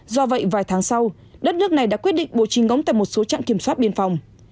do vậy vài tháng sau đất nước này đã quyết định bổ trình ngỗng tại một số trạng kiểm soát biên phòng